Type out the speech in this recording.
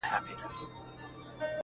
زه به د وخت له کومي ستړي ريشا وژاړمه,